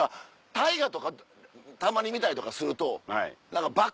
大河とかたまに見たりとかすると幕末というのが。